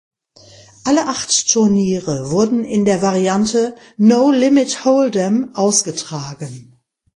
Alle acht Turniere wurden in der Variante "No Limit Hold’em" ausgetragen.